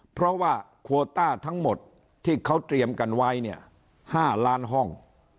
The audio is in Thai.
เพราะว่าโควต้าทั้งหมดที่เขาเตรียมกันไว้เนี่ย๕ล้านห้อง